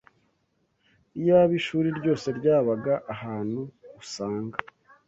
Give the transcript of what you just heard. Iyaba ishuri ryose ryabaga ahantu usanga